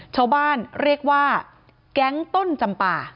ชาวบ้านเรียกว่าแก๊งต้นจำป่า